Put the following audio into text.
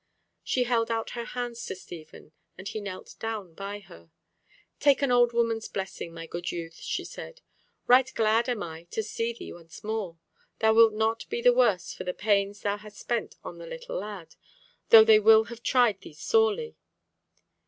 She held out her hands to Stephen, as he knelt down by her. "Take an old woman's blessing, my good youth," she said. "Right glad am I to see thee once more. Thou wilt not be the worse for the pains thou hast spent on the little lad, though they have tried thee sorely."